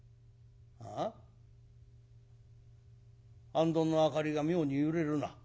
あんどんの明かりが妙に揺れるな。